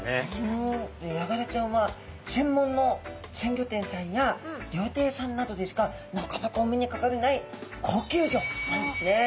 ヤガラちゃんは専門の鮮魚店さんや料亭さんなどでしかなかなかお目にかかれない高級魚なんですね。